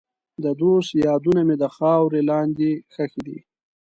د دوست یادونه مې د خاورې لاندې ښخې دي.